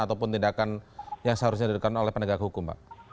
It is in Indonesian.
ataupun tindakan yang seharusnya dilakukan oleh penegak hukum pak